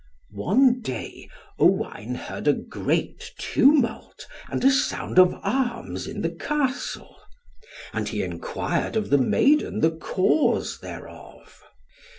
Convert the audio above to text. One day Owain heard a great tumult, and a sound of arms in the Castle, and he enquired of the maiden the cause thereof.